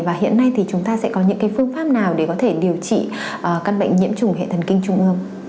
và hiện nay thì chúng ta sẽ có những phương pháp nào để có thể điều trị căn bệnh nhiễm trùng hệ thần kinh trung ương